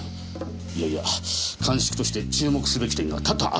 いやいや鑑識として注目すべき点が多々あると思いまして一気に。